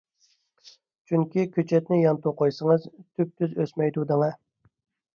چۈنكى كۆچەتنى يانتۇ قويسىڭىز تۈپتۈز ئۆسمەيدۇ دەڭە.